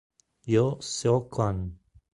Jo Seok-hwan